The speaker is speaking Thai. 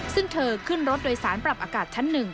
ซึ่งเธอขึ้นรถโดยสารปรับอากาศชั้น๑